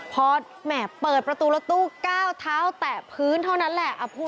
พอแหม่เปิดประตูรถตู้ก้าวเท้าแตะพื้นเท่านั้นแหละ